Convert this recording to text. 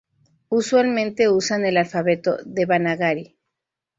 Usualmente usan el alfabeto devanagari.